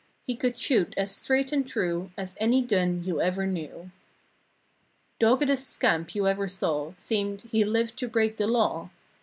He could shoot as straight and true As any gun you 'ever knew. Doggedest scamp you ever saw; Seemed, he lived to break the law.